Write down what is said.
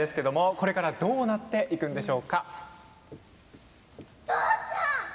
これからどうなっていくんでしょうか。